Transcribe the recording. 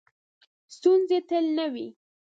ستونزې تل نه وي .